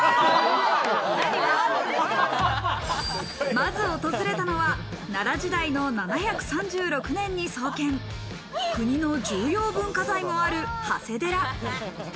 まず訪れたのは奈良時代の７３６年に創建、国の重要文化財もある長谷寺。